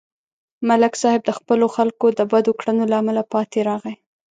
ملک صاحب د خپلو خلکو د بدو کړنو له امله پاتې راغی